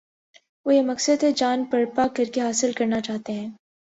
وہ یہ مقصد ہیجان برپا کر کے حاصل کرنا چاہتے ہیں۔